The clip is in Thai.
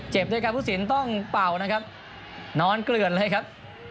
ด้วยการผู้สินต้องเป่านะครับนอนเกลือนเลยครับ